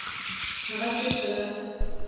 هغه چیرته ده؟